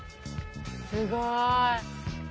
すごい。